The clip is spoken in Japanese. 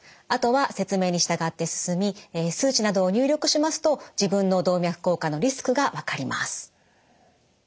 あとは説明に従って進み数値などを入力しますと自分の動脈硬化のリスクが分かります。